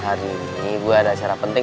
hari ini gue ada acara penting